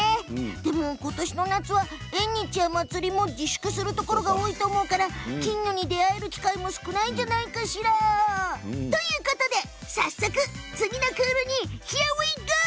でもことしの夏は縁日やお祭りも自粛するところも多いと思うから金魚に出会える機会も少ないんじゃないかしら。ということで次のクールにヒアウィーゴー！